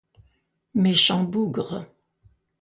Méchant bougre!